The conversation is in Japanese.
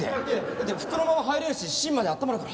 だって服のまま入れるし芯まであったまるから。